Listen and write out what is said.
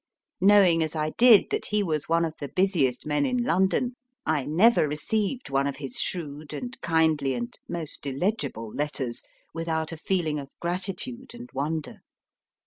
Knowing as I did that he was one of the busiest men in London, I never received one of his shrewd and kindly and most illegible letters without a feeling of gratitude and wonder.